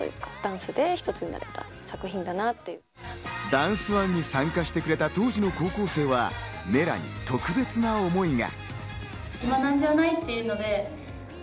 ダンスＯＮＥに参加してくれた当時の高校生は『Ｍｅｌａ！』に特別な思いが。